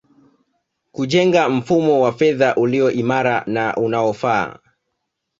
Kujenga mfumo wa fedha ulio imara na unaofaa